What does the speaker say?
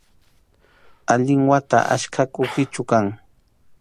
Allin wata ackha kuhichu kan